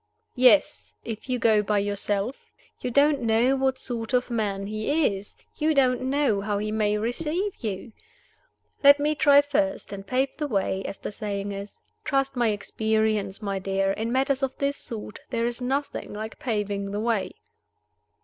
"Yes if you go by yourself. You don't know what sort of man he is; you don't know how he may receive you. Let me try first, and pave the way, as the saying is. Trust my experience, my dear. In matters of this sort there is nothing like paving the way."